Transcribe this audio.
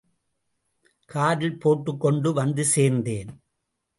காரில் போட்டுக் கொண்டு வந்து சேர்ந்தேன்.